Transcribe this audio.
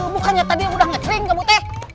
bukannya tadi sudah tidak kering atu